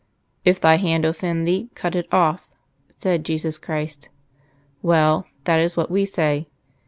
'If thy hand offend thee, cut it off,' said Jesus Christ. Well, that is what we say....